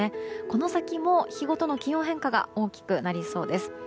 この先も日ごとの気温変化が大きくなりそうです。